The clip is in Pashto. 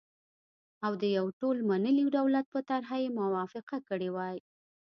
او د يوه ټول منلي دولت په طرحه یې موافقه کړې وای،